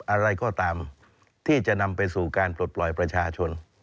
อะไรก็ตามที่จะนำไปสู่การปลดปล่อยประชาชน